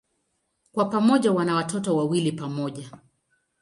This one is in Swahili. Kwa pamoja wana watoto wawili pamoja.